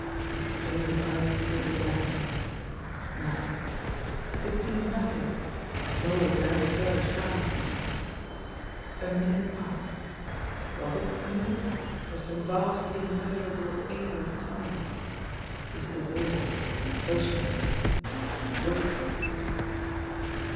He strained his ey*s through the blackness. Nothing ! He could 192 JIMMIE DALE AND THE PHANTOM CLUE see nothing. Nor was there any further sound. A minute passed. Was it a minute or some vast, immeasurable aeon of time? He stood rigid, motionless waiting.